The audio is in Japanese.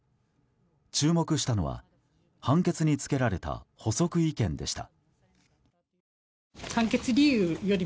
注目したのは判決につけられた補足意見でした。